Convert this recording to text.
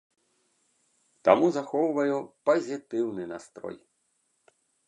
Таму захоўваю пазітыўны настрой.